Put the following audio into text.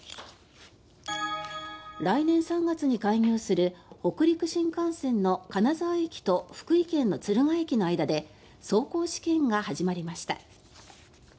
来年３月に開業する北陸新幹線の金沢駅と福井県の敦賀駅の間で走行試験が始まりました。